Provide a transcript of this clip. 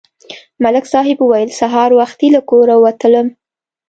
ملک صاحب ویل: سهار وختي له کوره ووتلم.